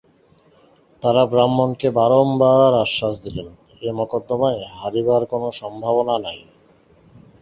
তাঁহারা ব্রাহ্মণকে বারম্বার আশ্বাস দিলেন, এ মকদ্দমায় হারিবার কোনো সম্ভাবনা নাই।